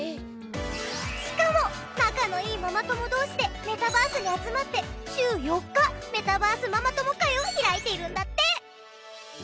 しかも仲のいいママ友同士でメタバースに集まって週４日メタバースママ友会を開いているんだって！